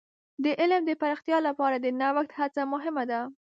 د علم د پراختیا لپاره د نوښت هڅه مهمه ده.